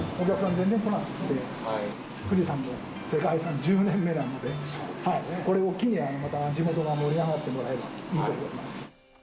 全然来なくて、富士山の世界遺産１０年目なので、これを機に、また地元が盛り上がってもらえるといいと思います。